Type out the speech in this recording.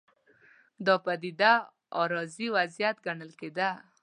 دا پدیده عارضي وضعیت ګڼل کېده.